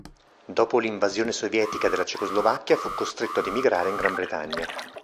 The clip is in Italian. Dopo l'invasione sovietica della Cecoslovacchia fu costretto ad emigrare in Gran Bretagna.